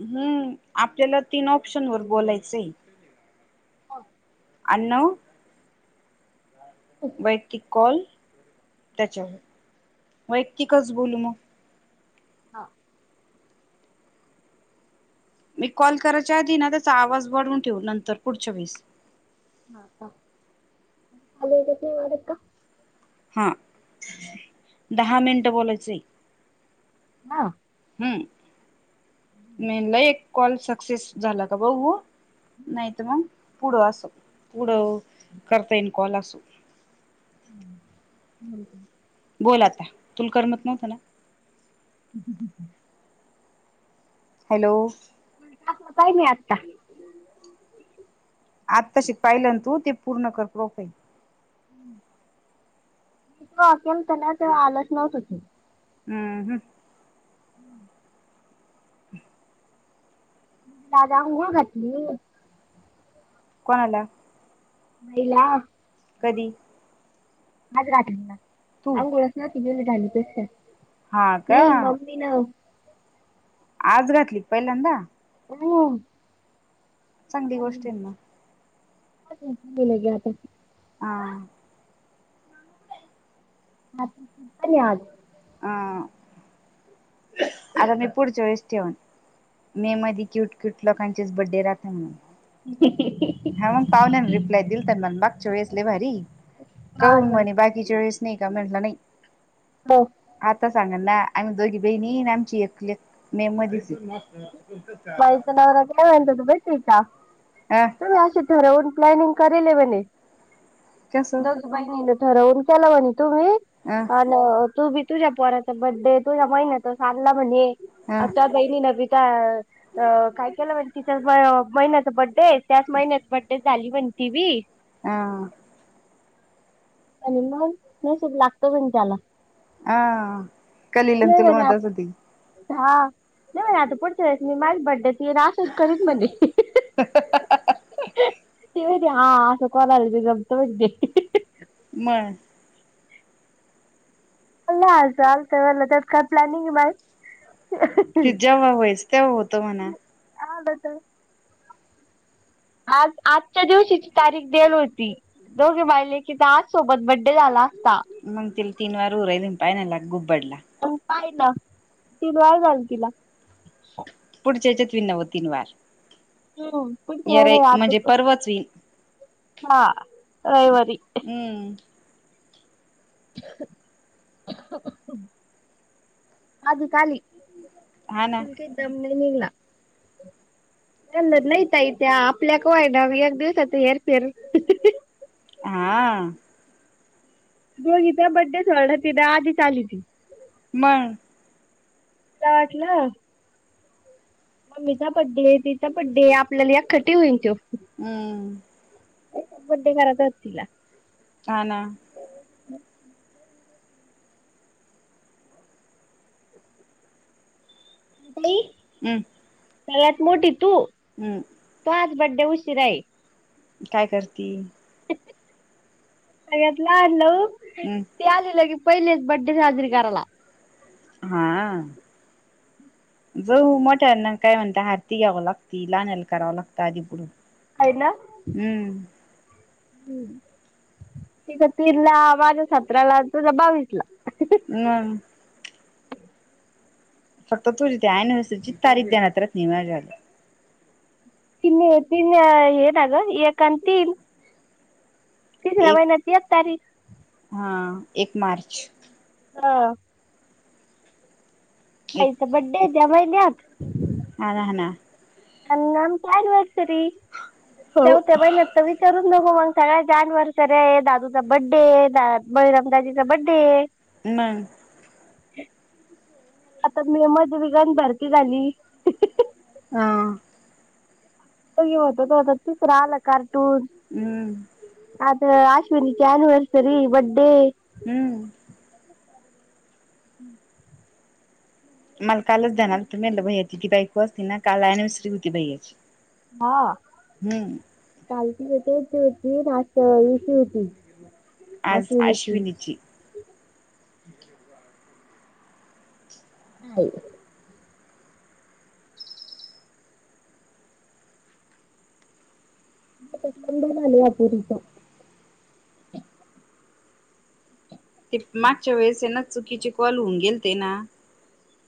हम्म आपल्याला तीन ऑप्शनवर बोलायचं आहे. मग अनऊ वैक्तिक कॉल त्याच्यावर वैक्तिकच बोलू मग. हा मी कॉल करायच्या आधी ना त्याचा आवाज वाढवून ठेव नंतर पुढच्या वेळेस. हा का हॅलो [unintelligible] का हा दहा मिनिट बोलायचंय. हां हम मेनला एक कॉल सक्सेस झाला का भाऊ? नाही त म पुढं अस पुढं करता येन कॉल असं. हम् हम्म हम्म बोल आता तुला करमत नव्हतं ना? [inaudible] हॅलो आत्ता काही नाही आत्ता. आताशी पाहिलं ना तू ते पूर्ण कर प्रोफईल. [unintelligible] त्यांना ते आलंच नव्हत की. हम्म हम्म हम्म [inaudible] दादा आंघोळ घातली. कोण आलं? महिला माज घाटली ना. तू आंगोळ्या साठी गेले. झाल तस हा नही का मम्मीन आज घातली पहिल्यांदा [unintelligible] चांगली गोष्ट ना अं बोला की आता. हा! आत [unintelligible] आज अ आता, मी पुढच्या वेळेस ठेवन मे मध्ये क्यूट क्यूट लोकांचेच बड्डे राहते न हा मग, पाहुण्यान रिप्लाय दिलता म बागच्या वेळेस लय भारी काऊन आज म्हणे बाकीच्या वेळेस नाही का मी म्हंटल नई. हो आता सांगन ना आम्ही दोघी बहिणी, आन आमची एक लेक मे मधीच [unintelligible] [unintelligible] तुमी, अशी ठरवून प्लानिंग, करेल हे म्हणे कस [unintelligible] ठरवून केल्यावानी तुम्ही अ आण तू बी तुझ्या, पोराचा बड्डे तुझ्या महिन्याच आणला म्हणे अ आता कईंनी नविक ता आ अ काय केलं, म्हण तिच्याच महिन्याचा बड्डे त्याच महिन्यात बड्डे झाली म्हणती ती बी आ आणि मंग नशीब लागत म्हण त्याला आ कलील न नाही तुला, म्हणे म्हणत असलं आत ती हा नाही म्हणे, आता पुढचा वेळेस मी माझा बड्डे ते आसच करीन म्हणे तेवय हा असं कॉल आलं की जमत म्हन्ते म चालतय म्हणल त्यात काय प्लॅनिंग बाय की जेव्हा, व्हायचं तेव्हा होतं म्हणा आलं तर आज आजच्या दिवशीची तारीख देल होती दोघी मायलेकीचा आज सोबत बड्डे झाला. असता मग तिल, तीन वेळा रुरायनीगं पाय, नाय लागू पडला हाय ना तीन वेळा झाल तिला. वि नव तन वार हम्म पण यरे म्हणजे ते परवाच विन [unintelligible] हा रविवारी. हम्म आज का आली. हा ना [unintelligible] निघंद नाही त ये आपल्या [unintelligible] एक दिवसाात हेर फेर हा दोघीच्या बड्डेच सोड ती तर आधीच आलीती. मग तेला वाटलं मम्मीचा बड्डे, तिचा बड्डे आपल्याला एखट्टी होईन त्यो. हम्म बड्डे घारात होतीला हा ना हम्म ताई अं सगळ्यात मोठी तू तो आ बड्डे उशिरा आहे. काय करती? सळ्यात लहान लवु हम् ती आली लगीच. पहिलेच बड्डे साजरी कराला. हा जाऊ मोठ्यांना काय म्हणता ह त्ती घ्यावं लागती लहान्याने करावं लागत आधी पुढं खायला हम्म हम्म तिचा तीनला, माझ सतराला, तुझ बावीसला. नन फक्त तुझी ती एनिवर्सरीची तारीख ध्यानात राहत नाही माझ्या अगं. तिन तिन ये एक अन् तीन. तिसरा महिन्याची एक तारीख. हां एक मार्च. हा एक आईचा बड्डे हाय त्या महिन्यात. [inaudible] हा ना, हा ना. [unintelligible] तरी हो चौथ्या महिन्यात तर विचारूच न हो मग कोमल [unintelligible] एनिवर्सरी आहे सर्या आहे दादूचा बड्डे आहे द बळीरमदााजीचा बड्डे आहे नाय आता मेमध्ये बिघान भरती झाली. हा ह्यो होता तो होता तिसरा आला कार्टून हुं आज अश्विनीची अनिवर्सरी बड्डे हम्म हम्म [inaudible] मला कालच जाणार होतो [unintelligible] भैयाची ती बायको असती ना काल एनिवर्सरी होती भैयाची. हा काल [unintelligible] आज अश्विनीची ए [unintelligible] [inaudible] ते मागच्या वेळेस आहे ना चुकीचे कॉल होऊन गेल ते ना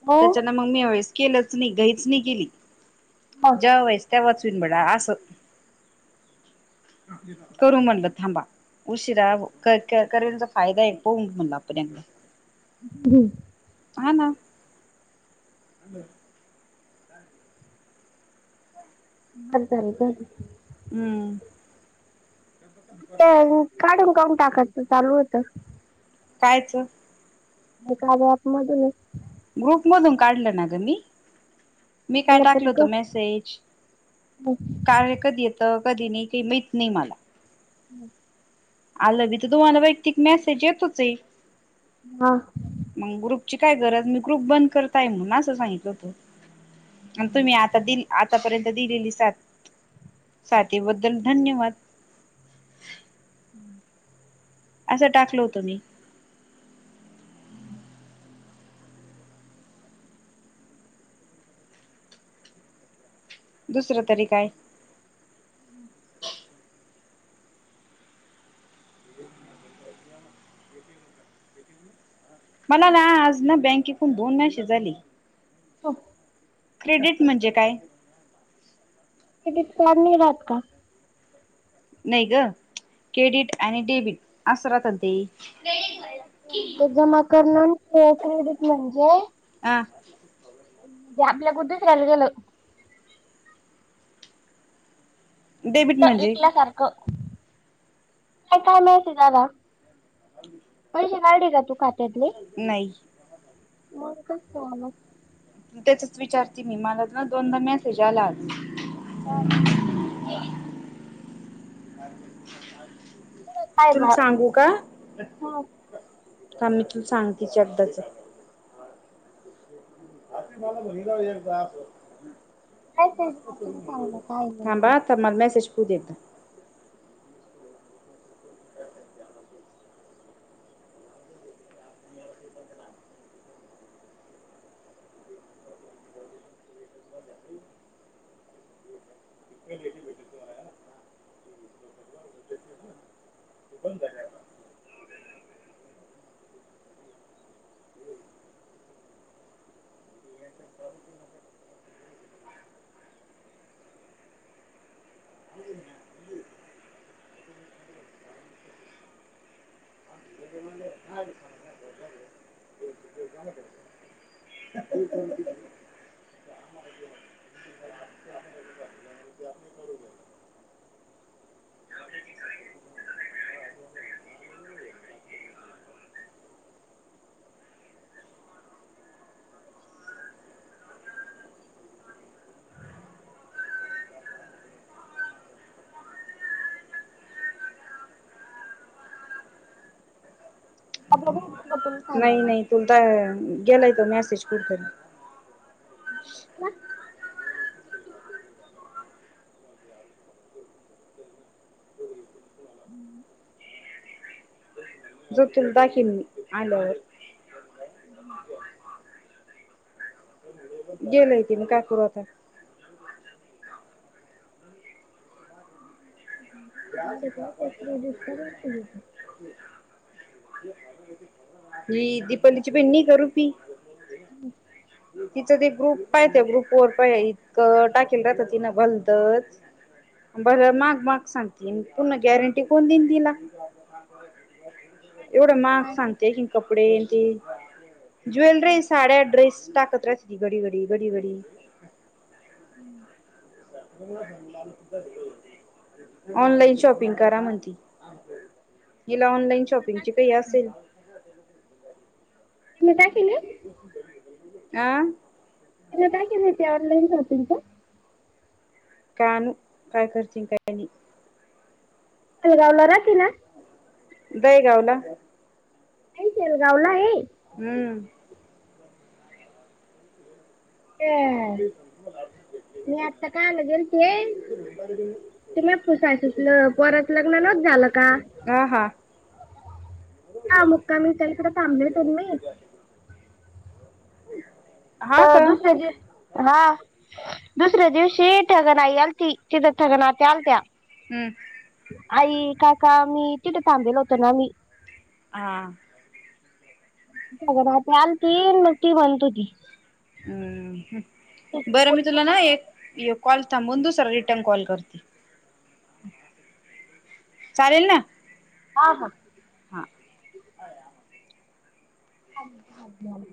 हो त्याच्यान मी मंग ह्यावेळेस केलच नाही घाईच नाही केली बर जेव्हा व्हायचं तेव्हाच.... अस करू म्हणल थांबा उशिरा करण्याचा फायदा आहे पाहू म्हणलं आपण एकदा.. हम्म हा ना हात तरी धर हम्म काढू करून टाकायचं चालू होत कायच एखाद्या ॲप मधूनच ग्रुप मधून काढलं ना तुम्ही मी काय मला टाकल पण कळ होतं मेसेज, काय हाय कधी येतं? कधी नाही ते माहित नाही मला हम्.. आलं बी त तुम्हाला वैयक्तिक मेसेज येतोच ये हा ची काय गरज मी ग्रुप बंद करताय म्हणून असं सांगितलं होत.. आणि तुम्ही आता दिल आतापर्यंत दिलेली साथ साथीबद्दल धन्यवाद. असं टाकल होतो मी हम्म.. दुसरं तरी काय मला ना आज ना बँकेकून दोन मेसेज आले. हो क्रेडिट म्हणजे काय? क्रेडिट कार्ड नाही राहात का? नाही ग क्रेडिट आणि डेबिट असं राहत न ते... ते जमा करणार क्रेडिट म्हणजे अ जा आपला कुध चल गल डेबीट म्हंजे एकल्यासारखं काय काय मिळत दादा पै काडी का तू खात नाही. वेलकम स्वागत त्याचच विचारते मी मला ना दोनदा मेसेज आला आज ह ह काय बा तुला हं, सांगू का? आ मी तू सांगतेचे एकदाच आत मला बघितला होता एकदा आपण काय ते वाचून सांगलं काय नेमकं थांबा आता मला मेसेज तु देत नाय. आपल बगू नाही नाही तुमचा गेलाय तो मॅसेज कुठतरी तुला हम्म जर तुला दाखिवल मी आल्यावर हम्म गेलंय ते मी काय करू आता का तेसरी रस्ता भट घ [unintelligible] ही दिपाली ची बहीण नाही का रुपी ह तिचं ते ग्रुप पाहत ग्रुप वर पाहि इतकं टाकेल राहतं, तिनं भलतच भ माग मग सांगते पूर्ण गॅरंटी कोण दिन दिला एवढा महाग सांगतेयि कपडेती, ज्वेलरी, साड्या- ड्रेस टाकत राहिती ती घडी घडी घडी घडी ऑनलाइन शॉपिंग करा म्हणती. हिला ऑनलाईन शॉपिंगची काही असेल तिनं काय केलं? आह तिनं काय केलंय ऑनलाईन सर्च तुमचं कान काय कररीचीं कायनी आलगाव ला राहती ना दहीगाव ला नाही सालगाव ला आहे हम्म अ मी आता काय आलं गेल ते ते मी पुुसायचसल परत लग्न रद्द झालं का? हा हा हा मुक्कामी ताईकड थांबले तर मी [inaudible] तर का दुसऱ्या जे हा दुसऱ्या दिवशी ठगण आई आलती तिथ ठगण आत्या आलत्या हम्म आई काय का आमि तिथ थांबेलल होत ना आंम्ही हा [unintelligible] अ हंम्म बर मी तुला ना एक एक कॉल थांबुन दुसरा रिटर्न कॉल करती. चालेल ना? हा हा हा थांब मागन आले.